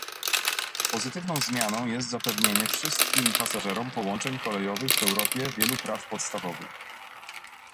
Pozytywną zmianą jest zapewnienie wszystkim pasażerom połączeń kolejowych w Europie wielu praw podstawowych